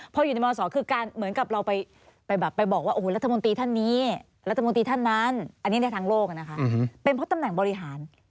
พออยู่ในมศคือการเหมือนกับเราไปแบบไปบอกว่ารัฐมนตรีท่านนี้รัฐมนตรีท่านนั้นอันนี้ในทางโลกนะคะเป็นเพราะตำแหน่งบริหาร